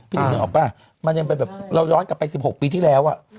พี่หนุ่มเห็นออกป่ะเราย้อนกลับไป๑๖ปีที่แล้ว